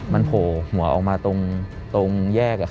มันโผล่หัวออกมาตรงแยก